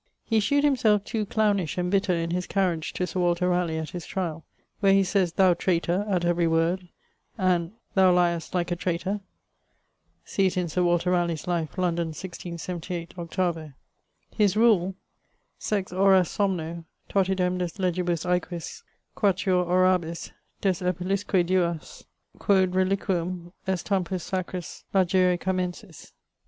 He shewed himselfe too clownish and bitter in his carriage to Sir Walter Ralegh at his triall, where he sayes 'Thou traytor,' at every word, and 'thou lyest like a traytor.' See it in Sir Walter Ralegh's life, Lond. 1678, 8vo. His rule: Sex horas somno, totidem des legibus aequis, Quatuor orabis, des epulisque duas, Quod reliquum est tempus sacris largire Camenis.